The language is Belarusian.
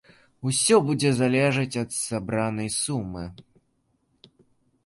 Усё будзе залежаць ад сабранай сумы.